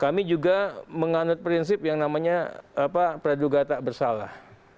kami juga menganut prinsip yang namanya pradugata bersalah